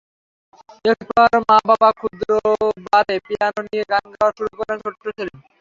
এরপর মা-বাবার ক্ষুদ্র বারে পিয়ানো নিয়ে গান গাওয়া শুরু করেন ছোট্ট সেলিন।